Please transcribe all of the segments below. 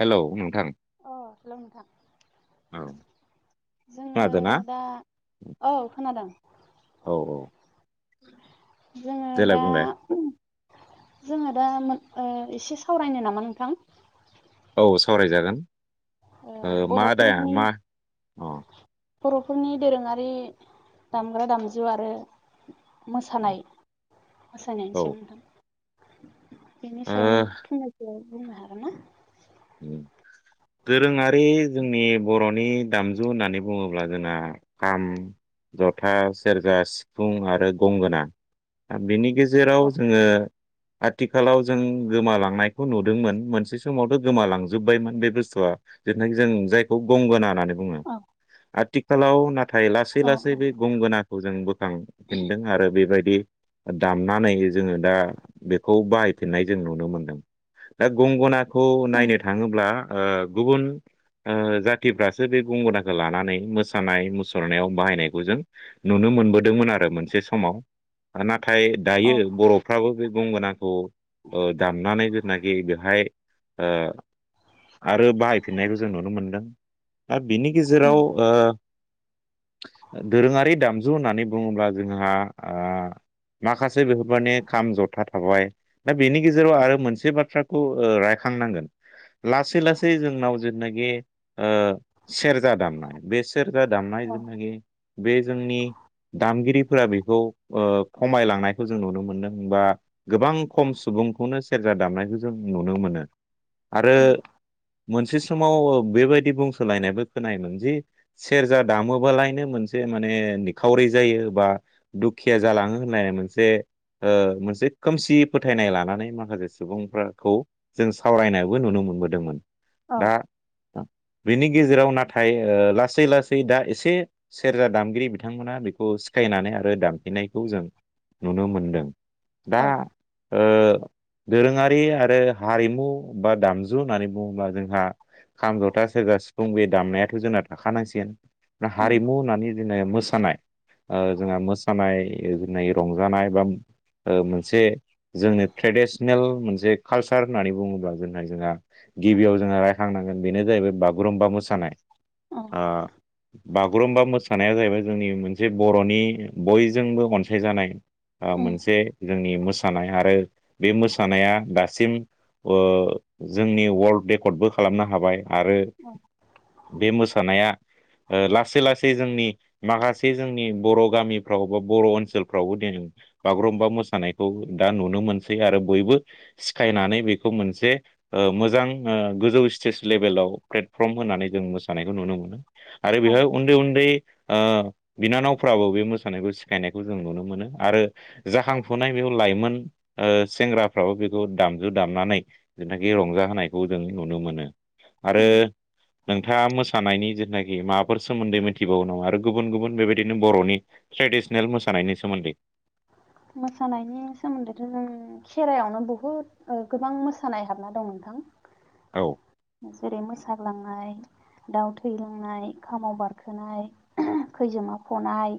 Hello नोंथां अ hello नोंथां औ जोङो खोनादोंना दा औ औ औ जोंङो देलाय दा बुंलाय जोंङो दा एसे सावरायनो नामा नोंथां? औ सावरायजागोन ओ मा दाया बर'फोरनि मा अ औ। बर'फोरनि दोरोंङारि दामग्रा दामजु आरो मोसानाय मोसानाय औ ओ बेनि सायाव नों फंनैसो बुंनो हागोन ना [inaudible] दोरोंङारि जोंनि बर'नि दामजु होननानै बुंङोब्ला जोंना खाम जथा सेरजा सिफुं आरो गंगोना दा बिनि गेजेराव औ जोंङो आथिखालाव जों गोमालांनायखौ नुदोंमोन मोनसे समावथ' गोमा लांजोबबायमोन बे बुस्थुआ जेरना जों जायखौ गंगोना होननानै बुंङो आरो औ थि आथिखालाव नाथाय लासै औ लासै बे गंगोनाखौ जों बोखांफिनदों आरो बेबायदि दामनानै जोंङो दा बेखौ बाहायफिननाय जों नुनो मोनदों। दा गंगनाखौ उम नायनो थांङोब्ला ओ गुबुन ओ जाथिफ्रासो बे गंगोनाखौ लानानै मोसानाय मुसुरनायाव बाहायनायखौ जों नुनो मोनो मोनबोदोंमोन आरो मोनसे समाव खोना नाथाय औ दायो बर'फ्राबो बे गंगोनाखौ ओ दामनानै जिनाखि बेवहाय आरो बाहायफिननायखौ जों नुनो मोनदों दा बिनि उम गेजेराव ओ [inaudible] दोरोंङारि दामजु होननानै बुंङोब्ला जोंहा ओ माखासे बेफोर माने खाम जथा थाबाय दा बेनि गेजेराव आरो मोनसे बाथ्राखौ ओ रायखां खांनांगोन लासै लासै जोंनाव जेनाखि ओ सेरजा दामनाय बे से सेरजा दामनाय औ जोंनि बे जोंनि दामगिरिफोरा बेखौ ओ खमायलांनायखौ जों नुनो मोनदों होनबा गोबां खम सुबुं सुबुंखौनो सेरजा दामनायखौ जों नुनो मोनो। आरो उम मोनसे समाव बेबायदि बुंस'लायनायबो खोनायोमोन जि सेरजा दामोबालायनो मोनसे माने निखावरि जायो बा दुखिया जालाङो होननाय मोनसे ओ मोनसे खोमसि फोथायनाय लानानै माखासे सुबुंफोरखौ जों सावरायनायबो नुनो मोनबोदोंमोन औ दा [inaudible] बेनि गेजेराव नाथाय लासै लासै दा एसे सेरजा दामगिरि बिथांमोना बेखौ सिखाय फैनानै आरो दामफिननायखौ जों नुनो मोनदों। दा ओ दोरोंङारि आरो हारिमु बा दामजु होननानै बुंङोबा जोंहा खाम जथा सोरोगा सिफुं बे दामनायाथ' जोंना थाखानांसिगोन उम हारिमु होननानै जना मोसानाय जोंहा मोसानाय जोंनाख रंजानाय बा मोनसे जोंनो ट्रेडिसनेल मोनसे कालसार होननानै बुंङोब्ला जोंनिया जोंहा गिबियाव जों रायखांनांगोन बेनो जाहैबाय बागुरुम्बा मुस मोसानाय औ बागुरुमबा मोसानाया जाहैबाय जोंनि मोनसे बर'नि बयजोंबो अनसायजानाय उम मोनसे जोंनि मोसानाय आरो बे मोसानाया दासिम ओ जोंनि वर्ल्ड रेकर्डबो खालामनो हाबाय आरो औ बे मोसानाया लासै लासै जोंनि माखासे जोंनि बर' गामिफ्राव बा बर' ओनसोलफ्रावबो दिनै बागुरुम्बा मोसानायखौ दा नुनो मोनसै आरो बयबो सिखायनानै बेखौ मोनसे ओ मोजां गोजौ स्टेज लेभेलाव प्लेटफ्रम होननानै जों मोसानायखौ नु मोनो, नुनो मोनो आरो औ बेवहाय उन्दै-उन्दै ओ बिनानावफ्राबो बे मोसानायखौ सिखायनायखौ जों नुनो मोनो, आरो जाखांफुनाय बे लाइमोन ओ सेंग्राफ्राबो बेखौ दामो। बेखौ दामनानै जेनाखि रंजा होनायखौ जों नुनो मोनो, आरो उम नों नोंथांङा मोसानायनि जेथुनाखि माबाफोर सोमोन्दै मिथिबावो नामा आरो गुबुन गुबुन बेबायदिनो बर'नि ट्रेडिस'नेल, ट्रेडिस'नेल मोसानायनि सोमोन्दै, [inaudible] मोसानायनि सोमोन्दैथ' जों खेराइआवनो बुहुत गोबां मोसानाय हाबना दं नोंथां, नोंथां। औ जेरै मोसाग्लांनाय, दाउ थै लांनाय, खामाव बारखोनाय, खैजोमा फनाय,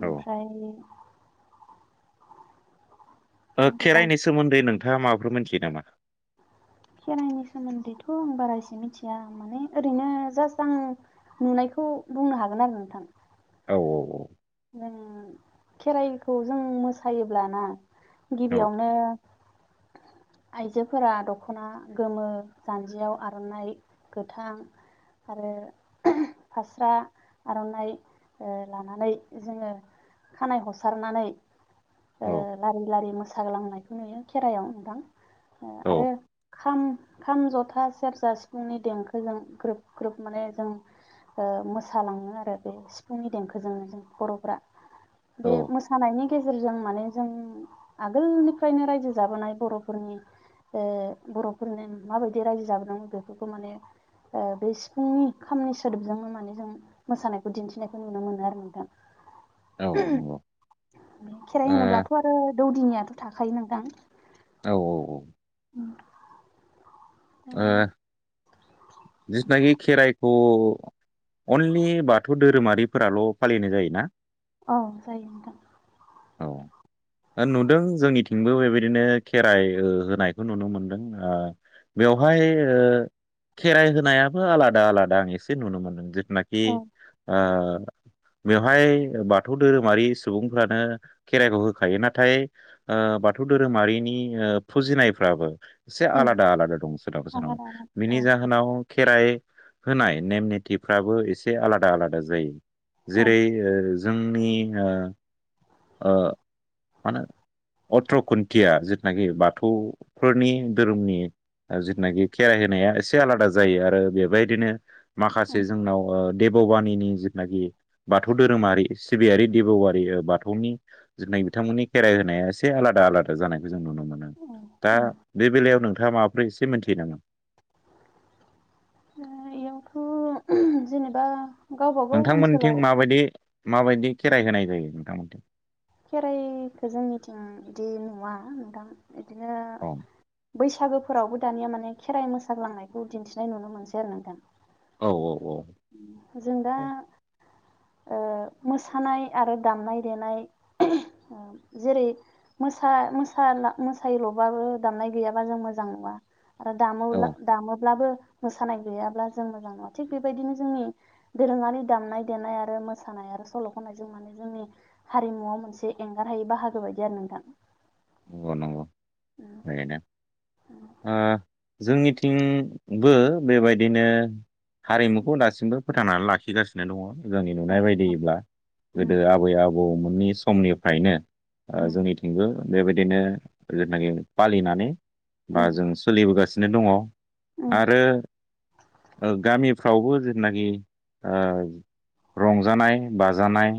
औ ओमफ्राय ओ गोबाव खेराइनि सोमोन्दै नोंथांङा माबाफोर मिथियो नामा? खेराइनि सोमोन्दैथ' आं बारा एसे मिथिया माने ओरैनो जास आं नुनायखौ बे खौ बुंनो हागोन आरो नोंथां, औ औ औ नों खेराइखौ जों मोसायोब्लाना औ गिबियावनो [inaudible] आइजोफोरा दख'ना गोमो, जान्जियाव आर'नाइ गोथां, आरो फास्रा आर'नाइ ओ लानानै, जोंङो खानाय हसारनानै ओ औ लारि-लारि मोसा मोसाग्लांनायखौ नुयो खेराइआव नोंथां औ आरो खाम-खाम, जथा, सेरजा, सिफुंनि, देंखोजों ग्रोब-ग्रोब माने जों ओ मोसालांङो आरो बे सिफुंनि देंखोजोंनो जों, बर'फ्रा बे औ मोसानायनि गेजेरजों माने जों आगोलनिफ्रायनो रायजो जाबोनाय बर'फोरनि, ओ बर'फोरनो माबायदि रायजो जाबोदों, बेफोरखौ माने ओ बे सिफुंनि खामनि सोदोबजोंनो माने जों मोसानायखौ दिन्थिनायखौ नुनो मोनो, आरो नोंथां, औ नंगौ ओ खेराइ औ होनोब्लाथ' आरो दौदिनियाथ' थाखायो नोंथां, औ औ औ उम ओ जितनाखि खेराइखौ अनलि बाथौ धोरोमारिफोराल' फालिनाय जायोना? औ जायो नोंथां, औ नुदों जोंनिथिंबो बेबायदिनो खेराइ हो-होनायखौ नुनो मोनदों, बेवहाय ओ खेराइ होनायाबो आलादा-आलादा आं एसे नुनो मोनदों जिथुनाखि औ ओ बेवहाय बाथौ धोरोमारि सुबुंफ्रानो खेराइखौ होखायो, नाथाय ओ बाथौ धोरोमारिनि ओ फुजिनायफ्राबो एसे उम आलादा आलादा दं सोरनाबा आलादा सोरनाबा आलादा औ बिनि जाहोनाव खेराइ होनाय नेम निथिफ्राबो एसे आलादाआलादा जायो। औ जेरै ओ जोंनि ओ मा होनो अथ्र' खुन्थिया जिथुनाखि बाथौफोरनि धोरोमनि जिथुनाखि खेराइ होनाया एसे आलादा जायो आरो बेबायदिनो औ माखासे जोंनाव ओ देब'बानिनि जिथुनाखि बाथौ धोरोमारि सिबियारि देब'बारि बाथौनि जिथुनाखि बिथांमोननि खेराइ होनाया एसे आलादा आलादा जानाय जों नुनो मोनो। औ दा उम बे बेलायाव नोंथाङा माबा ओमफ्राय एसे मिथिना [unintelligible] एयावथ' जेनेबा गावबागाव ओनसोलाव नोंथांमोनथिं माबायदि माबायदि खेराइ होनाय जायो नोंथांमोनथिं? खेराइखौ जोंनिथिं बिदि नुवा नोंथां। बिदिनो औ बैसागो फोरावबो दानिया माने खेराइ मोसाग्लांनायखौ दिन्थिनाय नुनो मोनसै आरो नोंथां। औ औ। जों दा ओ ओ मोसानाय आरो दामनाय देनाय ओ जेरै मोसा मोसाना मोसायल'बाबो दामनाय गैयाबा जों मोजां मोजां नुआ आरो दामो औ दामोब्लाबो मोसानाय गैयाब्ला जों मोजां नुआ थिग बेबायदिनो जोंनि दोरोङारि दामनाय देनाय आरो मोसानाय आरो सल' खनायजों मान जोंनि हारिमुआव मोनसे एंगारहायै बाहागो बायदि आरो नोंथां। नंगौ नंगौ बेनो ओ जोंनिथिंबो बेबायदिनो हारिमुखौ दासिमबो फोथांनानै लाखिगासिनो दङ'। जोंनि औ नुनाय बायदिब्ला उम गोदो आबै आबौमोननि समनिफ्रायनो आ उम जोंनिथिंबो बेबायदिनो जेनाखि फालिनानै बा उम जों सोलिबोगासिनो दङ'। उम आरो गामिफ्रावबो ओ जेनाखि ओ रंजानाय बाजानाय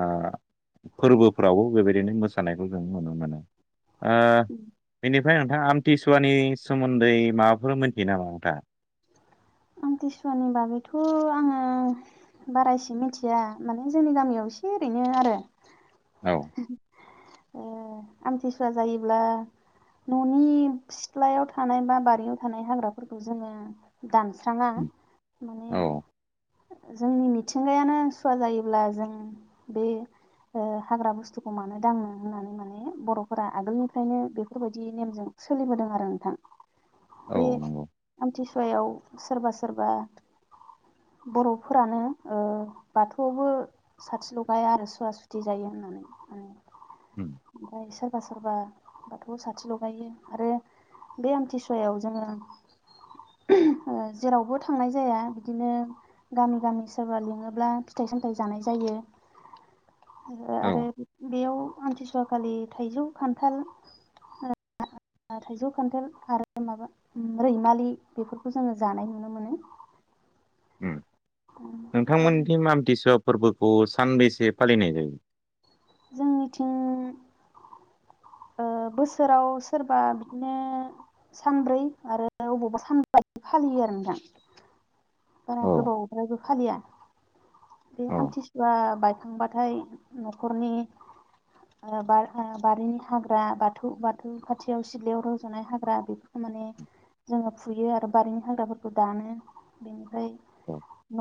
ओ फोरबोफ्रावबो बेबायदिनो मोसानायखौ जों नुनो मोनो। ओ बेनि फ्राय नोंथाङा आमथिसुवानि सोमोन्दै माबाफोर मोनथियो नामा नोंथाङा? [inaudible] आमथिसुवानि बागैथ' आङो बारा एसे मिथिया माने जोंनि गामियाव एसे एसे ओरैनो आरो औ आमथिसुवा जायोब्ला न'नि सिथ्लायाव थानाय बा बारियाव थानाय हाग्राफोरखौ जोङो दामस्राङा माने औ जोंनि मिथिंगायानो सुवा जायोब्ला जों बे ओ हाग्रा बुस्थुखौ मानो दांनो होननानै माने बर'फोरा आगोलनिफ्रायनो बेफोरबायदि नेमजों सोलिबोदों आरो नोंथां औ बे नंगौ आमथि सुवायाव सोरबा सोरबा बर'फोरानो ओ बाथौआवबो साथि लगाया आरो सुवा सुथि जायो होन्नानै। उम ओ [unintelligible] सोरबा सोरबा बाथौ साथि लगायो आरो बे आमथिसुवायाव जोङो ओ जेरावबो थांनाय जाया बिदिनो गामि गामि सोरबा लिङोब्ला फिथाइ सामथाइ जानाय जायो। [inaudible] औ आरो बेयाव आमथिसुवाखालि थाइजौ खान्थाल [unintelligible] थाइजौ खान्थाल आरो माबा रैमालि बेफोरखौ जोङो जानाय नुनो मोनो। [inaudible] नोंथांमोननि मामथिसब फोरबोखौ सानबेसे फालिनाय जायो? जोंनिथिं बोसोराव सोरबा बिदिनो सानब्रै आरो अबावबा सानब्रै फालियो आरो नोंथां। बारा औ गोबावद्ईबो फालिया। बे औ आमथिसुवा बायखांबाथाय न'खरनि बारिनि हाग्रा बाथौ बाथौ खाथियाव सिलयाव रजानाय हाग्रा बेफोरखौ माने जोङो फुयो आरो बारिनि हाग्राफोरखौ दानो बेनिफ्राय औ न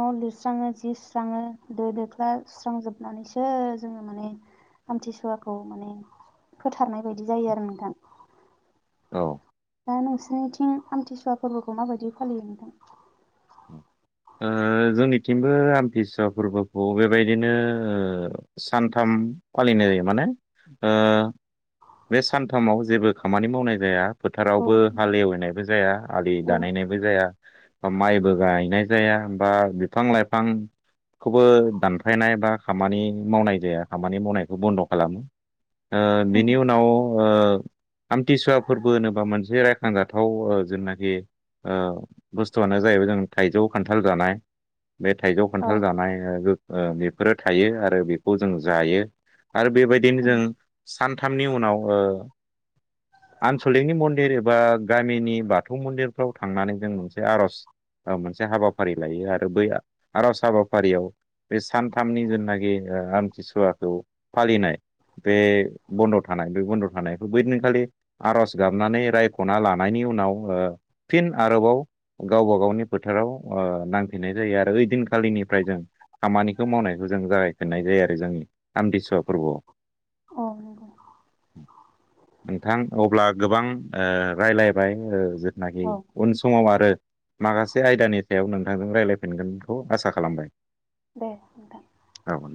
न लिरस्राङो जि सुस्राङो दो दोख्ला सुस्रांजोबनानैसो जो माने आमथिसुवाखौ माने फोथारनाय बायदि जायो आरो नोंथां औ दा नोंसिोरनिथिं आमथिसुवा फोरबोखौ माबायदि फालियो नोंथां औ। ओ जोंनिथिंबो आम्थिसुवा फोरबोखौ बेबायदिनो सानथामालि बे सानथामाव जेबो खामानि मावनाय जाया औ फोथारावबो हालेवनायबो जाया आलि औ दानायनायबो जाया बा माइबो गायनाय ज जाया बा बिफां लाइफां खौबो दानफायनाय बा खामानि मावनाय जाया खामानि मावनायखौ बन्द खालामो उम बिनि उनाव आमथिसुवा फोरबो होनोबा मोनसे रायखांजाथाव जोंनाखि बुस्थुआनो जाहैबाय जों थाइजौ खान्थाल जानाय बे थाइजौ औ खान्थाल जानाय बेफोरो थायो आरो बेखौ जों जायो आरो बेबायदिनो उम जों सानथामनि उनाव औ आनसलिकनि मन्दिर एबा गामिनि बाथौ मन्दिरफ्राव थांनानै जों मोनसे आरज मोनसे हाबाफारि लायो आरो बै आरज हाबाफारियाव बे सानथामनि जेनाखि आमथिसुवाखौ फालिनाय बे बन्द थानाय बे बन्द थानायखौ बैदिनखालि आरज गाबनानै रायखना लानायनि नि उनाव फिन आरोबाव गावबा गावनि फोथाराव ओ नांफिननाय जायो आरो ओइदिनखालिनिफ्राय जों खामानिखौ मावनायखौ जों जागायफिननाय जायो आरो जोंनि आमथिसुवा फोरबोआव औ नंगौ नोंथां अब्ला गोबां राय्लायबाय जिथुनाखि औ उन समाव आरो माखासे आयदानि सायाव नों नोंजों रायज्लायफिनगोनखौ आसा खालामबाय दे नोंथां औ दे।